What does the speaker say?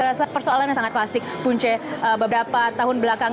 rasa persoalan yang sangat klasik punca beberapa tahun belakangan